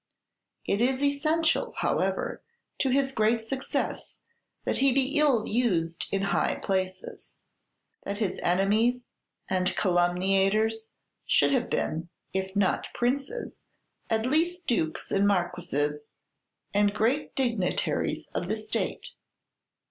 It is essential, however, to his great success that he be ill used in high places; that his enemies and calumniators should have been, if not princes, at least dukes and marquises and great dignitaries of the state.